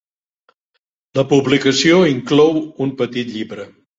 La publicació inclou un petit llibre.